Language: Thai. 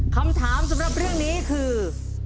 คำถามสำหรับเรื่องนี้คือ